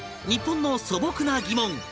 日本の素朴な疑問